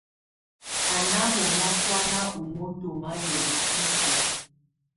Á ná mɔnà tɔ̀ána ù moto ma yayɛ̀á isǝ́.